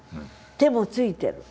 手もついてる。